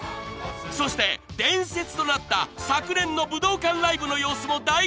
［そして伝説となった昨年の武道館ライブの様子も大公開！］